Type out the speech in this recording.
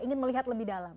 ingin melihat lebih dalam